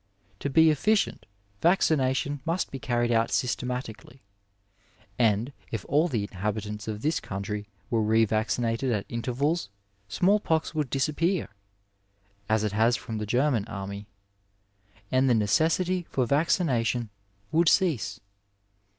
To be efficient, vaccination must be carried out systematically, and if all the inhabitants of this country were revaccinated at intervals small pox would disappear (as it has &om the German army), and the necessity for vaccination would cease.